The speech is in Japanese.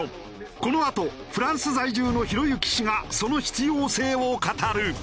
このあとフランス在住のひろゆき氏がその必要性を語る。